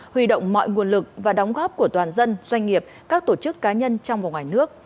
huy động mọi nguồn lực và đóng góp của toàn dân doanh nghiệp các tổ chức cá nhân trong và ngoài nước